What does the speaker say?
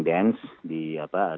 dan dia mencari penyakit